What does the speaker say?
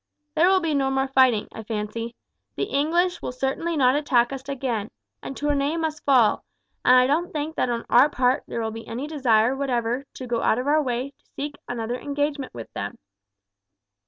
There will be no more fighting, I fancy. The English will certainly not attack us again, and Tournay must fall, and I don't think that on our part there will be any desire whatever to go out of our way to seek another engagement with them.